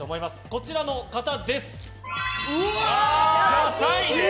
こちらの方です。